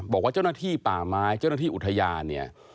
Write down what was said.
บอกว่าเจ้าหน้าที่ป่าไม้เจ้าหน้าที่อุทยานเนี่ย